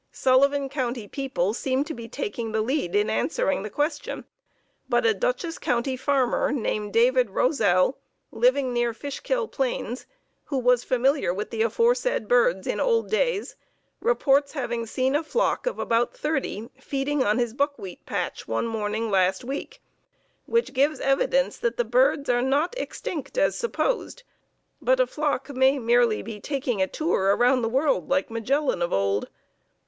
Sullivan County people seem to be taking the lead in answering the question, but a Dutchess County farmer named David Rosell, living near Fishkill Plains, who was familiar with the aforesaid birds in old days, reports having seen a flock of about thirty feeding on his buckwheat patch one morning last week, which gives evidence that the birds are not extinct as supposed, but a flock may merely be taking a tour around the world like Magellan of old.